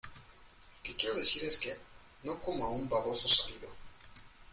lo que quiero decir es que... no como a un baboso salido